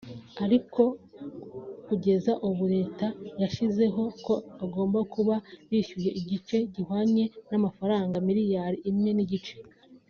ariko kugeza ubu Leta yashyizeho ko bagomba kuba bishuye igice gihwanye n’amafaranga miliyari imwe n’igice